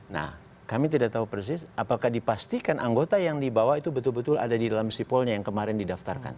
nah kami tidak tahu persis apakah dipastikan anggota yang dibawa itu betul betul ada di dalam sipolnya yang kemarin didaftarkan